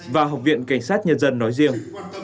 và học viện cảnh sát nhân dân nói riêng